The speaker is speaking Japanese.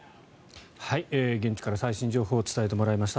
現地から最新情報を伝えてもらいました。